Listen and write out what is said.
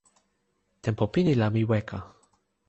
tenpo pini la mi weka.